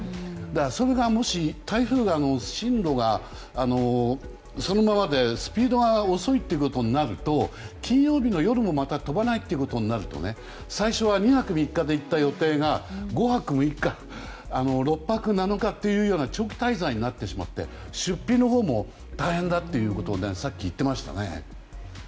それがもし台風の進路がそのままでスピードが遅いということになると金曜日の夜もまた飛ばないということになると最初は２泊３日で行った予定が５泊６日、６泊７日という長期滞在になってしまって出費のほうも大変だということをさっき言ってましたね。